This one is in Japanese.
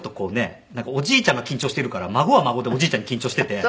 おじいちゃんが緊張してるから孫は孫でおじいちゃんに緊張してて。